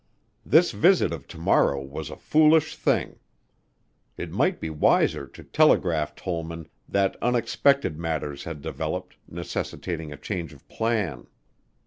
This visit of to morrow was a foolish thing. It might be wiser to telegraph Tollman that unexpected matters had developed, necessitating a change of plan.